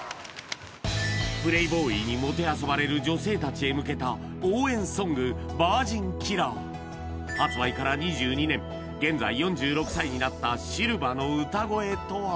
プレイボーイにもてあそばれる女性たちへ向けた応援ソング「ヴァージンキラー」発売から２２年現在４６歳になったＳＩＬＶＡの歌声とは？